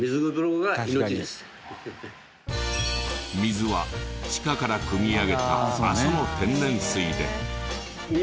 水は地下からくみ上げた阿蘇の天然水で。